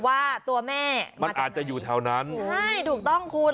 ว่าตัวแม่มันอาจจะอยู่แถวนั้นใช่ถูกต้องคุณ